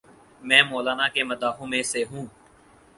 میں مولانا کے مداحوں میں سے ہوں۔